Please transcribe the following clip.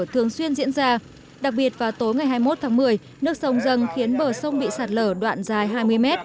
dần dần diễn ra đặc biệt vào tối hai mươi một một mươi nước sông dâng khiến bờ sông bị sạt lở đoạn dài hai mươi m